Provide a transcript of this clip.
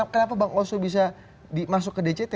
kenapa bang oso bisa masuk ke dct